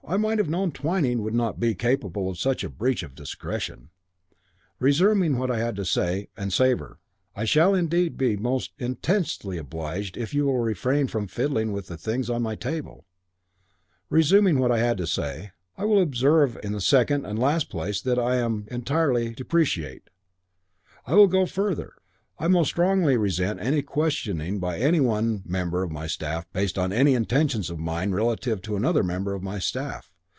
I might have known Twyning would not be capable of such a breach of discretion. Resuming what I had to say and, Sabre, I shall indeed be most intensely obliged if you will refrain from fiddling with the things on my table resuming what I had to say, I will observe in the second and last place that I entirely deprecate, I will go further, I most strongly resent any questioning by any one member of my staff based on any intentions of mine relative to another member of my staff.